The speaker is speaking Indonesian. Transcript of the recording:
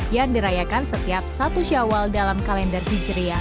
yang dirayakan setiap satu syawal dalam kalender hijriah